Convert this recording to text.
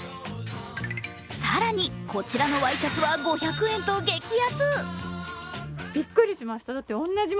更に、こちらのＹシャツは５００円と激安。